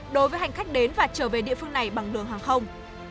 đối với hành khách đến và trở về địa phương này bằng đường hàng không